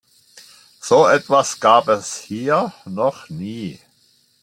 So etwas gab es hier noch nie.